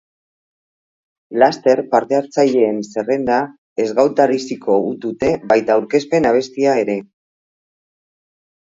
Laster, partehartzaileen zerrenda ezgautaraziko dute, baita aurkezpen abestia ere.